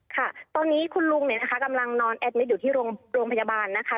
ค่ะตอนนี้คุณลุงเนี่ยนะคะกำลังนอนแอดมิตอยู่ที่โรงพยาบาลนะคะ